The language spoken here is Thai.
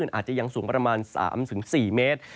ก็จะมีการแผ่ลงมาแตะบ้างนะครับ